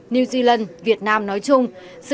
new zealand việt nam nói chung